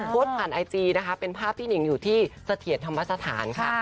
โพสต์ผ่านไอจีนะคะเป็นภาพพี่หนิงอยู่ที่เสถียรธรรมสถานค่ะ